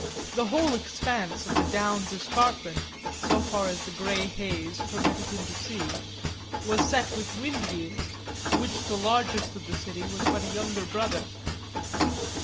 The whole expanse of the Downs escarpment, so far as the grey haze permitted him to see, was set with wind wheels to which the largest of the city was but a younger brother.